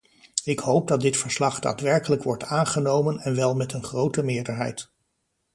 Ik hoop dat dit verslag daadwerkelijk wordt aangenomen en wel met een grote meerderheid.